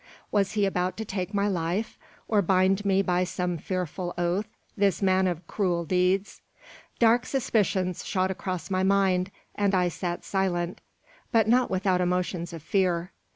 Was he about to take my life, or bind me by some fearful oath, this man of cruel deeds? Dark suspicions shot across my mind, and I sat silent, but not without emotions of fear.